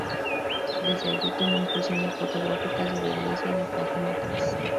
Desde allí tomó impresiones fotográficas de la Iglesia y la Plaza Matriz.